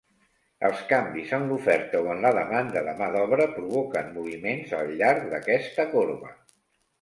Els canvis en l'oferta o en la demanda de mà d'obra provoquen moviments al llarg d'aquesta corba.